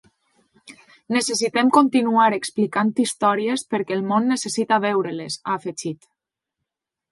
Necessitem continuar explicant històries perquè el món necessita veure- les, ha afegit.